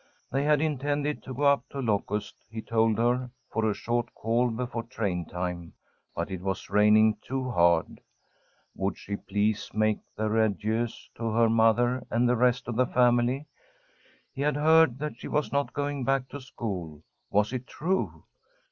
They had intended to go up to Locust, he told her, for a short call before train time, but it was raining too hard. Would she please make their adieus to her mother and the rest of the family. He had heard that she was not going back to school. Was it true?